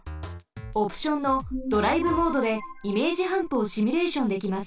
オプションのドライブモードでイメージハンプをシミュレーションできます。